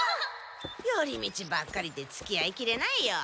寄り道ばっかりでつきあいきれないよ。